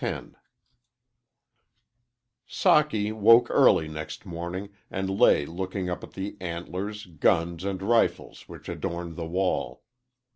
X SOCKY woke early next morning, and lay looking up at the antlers, guns, and rifles which adorned the wall.